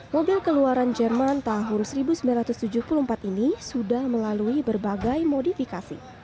mobil keluaran jerman tahun seribu sembilan ratus tujuh puluh empat ini sudah melalui berbagai modifikasi